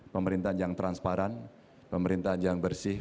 pemerintahan yang transparan pemerintahan yang bersih